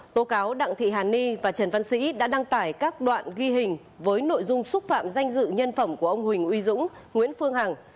tố cáo đặng thị hàn ni và trần văn sĩ đã đăng tải các đoạn ghi hình với nội dung xúc phạm danh dự nhân phẩm của ông huỳnh uy dũng nguyễn phương hằng